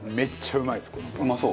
うまそう。